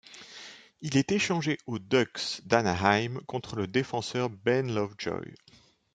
Il est échangé aux Ducks d'Anaheim contre le défenseur Ben Lovejoy.